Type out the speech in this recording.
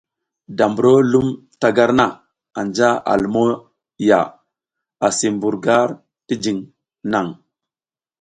Da mburo lum ta gar na anja a lumo ya, asi mbur gar ti jiŋ naŋ.